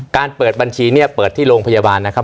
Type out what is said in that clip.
เปิดบัญชีเนี่ยเปิดที่โรงพยาบาลนะครับ